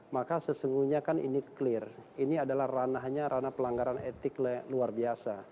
maka sesungguhnya kan ini clear ini adalah ranahnya ranah pelanggaran etik luar biasa